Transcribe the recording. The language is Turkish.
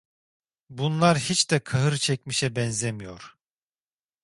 Bunlar hiç de kahır çekmişe benzemiyor.